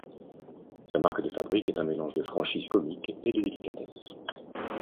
Sa marque de fabrique est un mélange de franchise comique et de délicatesse.